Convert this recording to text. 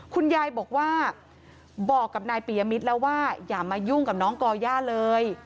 คุณยายบอกว่าบอกกับนายปียมิตรแล้วว่าอย่ามายุ่งกับน้องก่อย่าเลย